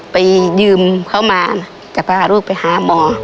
ไปยืมเขามาจะพาลูกไปหาหมอ